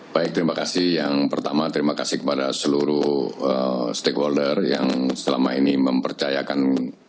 baik terima kasih yang pertama terima kasih kepada seluruh stakeholder yang selama ini mempercayakan